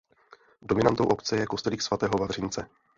Dominantou obce je kostelík svatého Vavřince.